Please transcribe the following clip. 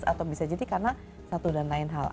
atau bisa jadi karena satu dan lain hal